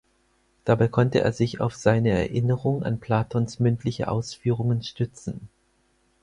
Dabei konnte er sich auf seine Erinnerung an Platons mündliche Ausführungen stützen.